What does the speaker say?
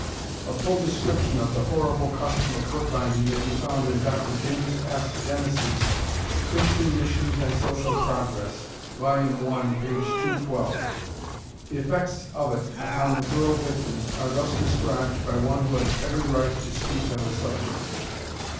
A full description of the horrible custom of foot binding may be found in Dr. James S. Dennis's "Christian Missions and Social Progress" (vol. 1, p. 212). The effects of it upon the little girl victims are thus described by one who has every right to speak on the subject.